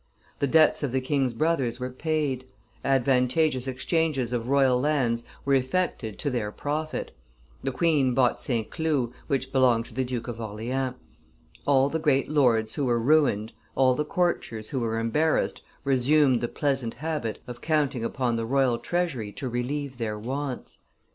The debts of the king's brothers were paid; advantageous exchanges of royal lands were effected to their profit; the queen bought St. Cloud, which belonged to the Duke of Orleans; all the great lords who were ruined, all the courtiers who were embarrassed, resumed the pleasant habit of counting upon the royal treasury to relieve their wants.